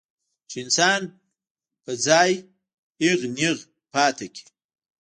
چې انسان پۀ ځائے اېغ نېغ پاتې کړي